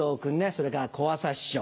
それから小朝師匠。